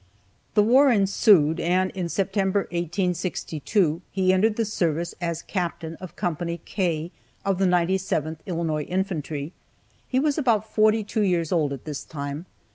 The war ensued, and in September, 1862, he entered the service as Captain of Co. K of the 97th Illinois Infantry. He was about forty two years old at this time.